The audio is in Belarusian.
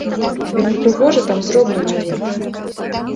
Вельмі прыгожа там зроблена ў іх.